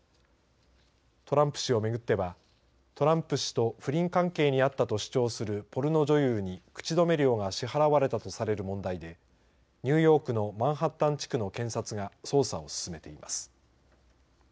トランプ氏をめぐってはトランプ氏と不倫関係にあったと主張するポルノ女優に口止め料が支払われたとされる問題でニューヨークのマンハッタン地区の検察が捜査を進めています。